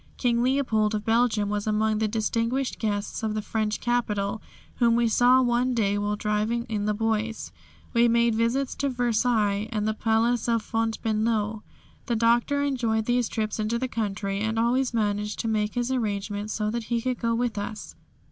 King Leopold of Belgium was among the distinguished guests of the French capital, whom we saw one day while driving in the Bois. We made visits to Versailles and the palace of Fontainebleau. The Doctor enjoyed these trips into the country, and always manged to make his arrangements so that he could go with us.